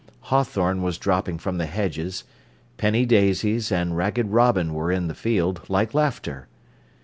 Hawthorn was dropping from the hedges; penny daisies and ragged robin were in the field, like laughter.